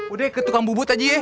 udah ya ketukang bubut aja ya